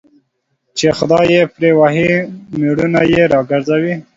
چي خداى يې پري وهي مړونه يې راگرځوي